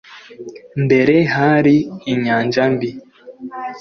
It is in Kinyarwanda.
Mbere hari inyanja mbi